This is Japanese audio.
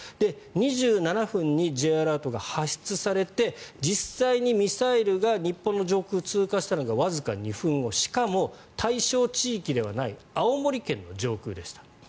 ２７分にＪアラートが発出されて実際にミサイルが日本の上空を通過したのがわずか２分後しかも対象地域ではない青森県の上空でした。